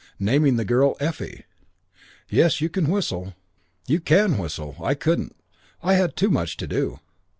Naming the girl, Effie. "Yes, you can whistle.... "You can whistle. I couldn't. I had too much to do.